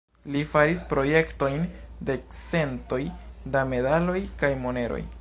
Li faris projektojn de centoj da medaloj kaj moneroj.